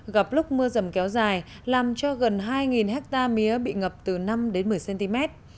gặp lúc mưa dầm kéo dài làm cho gần hai hectare mía bị ngập từ năm đến một mươi cm